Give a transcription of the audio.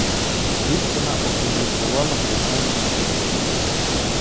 Дівчина опублікувала пікантні світлини.